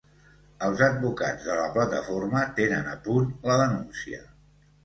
Els advocats de la Plataforma tenen a punt la denúncia.